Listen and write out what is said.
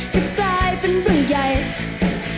จะกลายเป็นเรื่องใหญ่